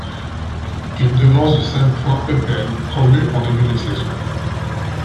Il devance de cinq points Eupen, promu en début de saison.